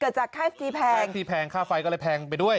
เกิดจากค่าแอคทีแพงแอคทีแพงค่าไฟก็เลยแพงไปด้วย